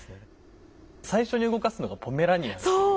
最初に動かすのがポメラニアンっていう。